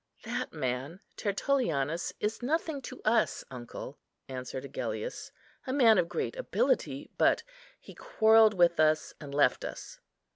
"That man, Tertullianus, is nothing to us, uncle," answered Agellius; "a man of great ability, but he quarrelled with us, and left us."